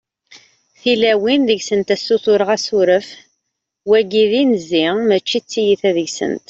tilawin deg-sent ad ssutreɣ asuref, wagi d inzi mačči t-tiyita deg-sent